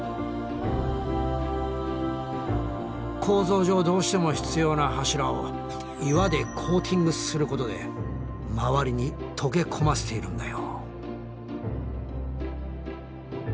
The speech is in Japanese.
構造上どうしても必要な柱を岩でコーティングすることで周りに溶け込ませているんだよ。